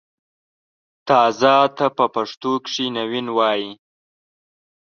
تازه ته په پښتو کښې نوين وايي